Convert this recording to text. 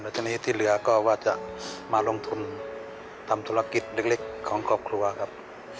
ทีนี้ที่เหลือก็ว่าจะมาลงทุนทำธุรกิจเล็กของครอบครัวครับ